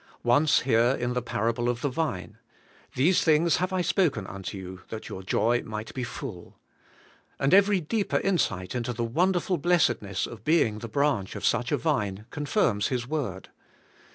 Once here in the Parable of the Vine: ^ Tliese things have I spohen unto you that your joy might he full j^ and every deeper insight into the wonderful blessedness of being the branch of such a Vine confirms His Word.